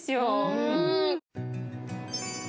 うん！